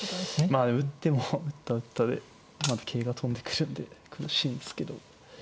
まあ打っても打ったら打ったで桂が跳んでくるんで苦しいんですけど。